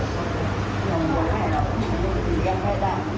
พอคุณแม่ได้ยินนะครับ